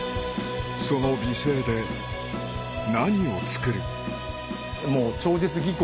その美声で何をつくる？